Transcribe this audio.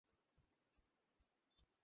শৈবালের কোষপ্রাচীর কী দিয়ে গঠিত?